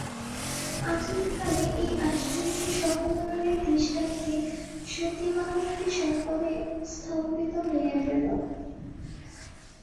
আধুনিক কালে এই আশ্চর্য সহমরণের দৃষ্টান্তে সতীমাহাত্ম্যে সকলে স্তম্ভিত হইয়া গেল।